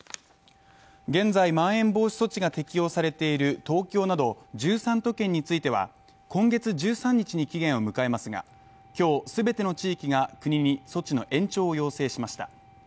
現在まん延防止措置が適用されている東京など１３都県については、今月１３日に期限を迎えますが今日全ての地域が国に措置の延長を要請しました。